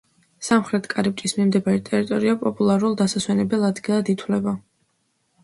სამხრეთ კარიბჭის მიმდებარე ტერიტორია პოპულარულ დასასვენებელ ადგილად ითვლება.